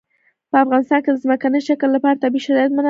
په افغانستان کې د ځمکنی شکل لپاره طبیعي شرایط مناسب دي.